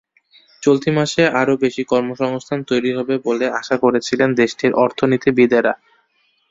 চলতি মাসে আরও বেশি কর্মসংস্থান তৈরি হবে বলে আশা করছিলেন দেশটির অর্থনীতিবিদেরা।